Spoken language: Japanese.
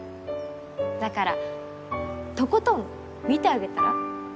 だからとことん見てあげたら？